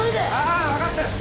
ああ分かってる。